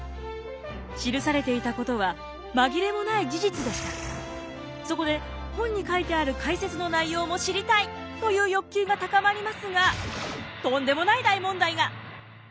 記されていたことはそこで本に書いてある解説の内容も知りたいという欲求が高まりますがとんでもない大問題が！